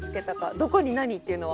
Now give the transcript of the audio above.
どこに何っていうのは。